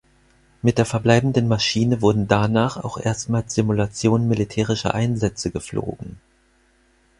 Mit der verbleibenden Maschine wurden danach auch erstmals Simulationen militärischer Einsätze geflogen.